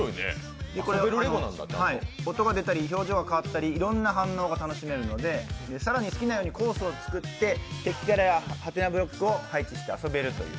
音が出たり表情が変わったりいろんな反応が楽しめるので更に好きなようにコースを作って敵キャラやハテナブロックを配置して遊べると。